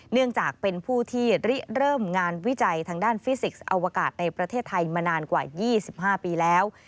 เนื่องจากเป็นผู้ที่ริเริ่มงานวิจัยทางด้านฟิสิกส์อวกาศในประเทศไทยมานานกว่า๒๕ปีแล้ว